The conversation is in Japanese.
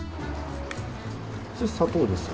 それ砂糖ですか？